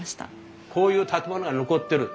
こういう建物が残ってる。